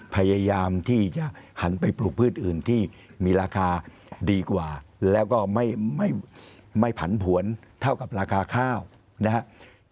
พยายามที่จะหันไปปลูกพืชอื่นที่มีราคาดีกว่าแล้วก็ไม่ผันผวนเท่ากับราคาข้าวนะครับ